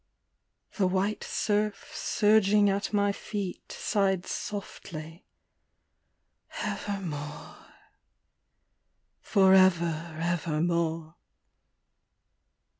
The white surf, surging at my feet, sighed softly, '' Ever more," forever evermore.